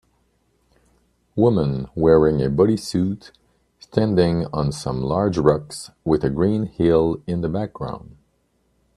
Woman wearing a bodysuit standing on some large rocks with a green hill in the background.